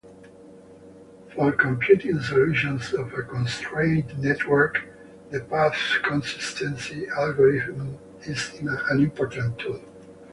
For computing solutions of a constraint network, the path-consistency algorithm is an important tool.